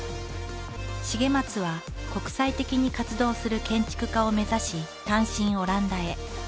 重松は国際的に活動する建築家を目指し単身オランダへ。